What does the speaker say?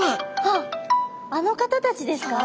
あっあの方たちですか？